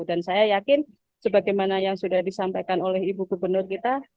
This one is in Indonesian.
dan saya yakin sebagaimana yang sudah disampaikan oleh ibu gubernur kita